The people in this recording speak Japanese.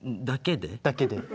だけで？だけで。